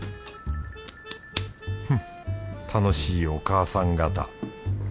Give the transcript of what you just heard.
フッ楽しいお母さん方。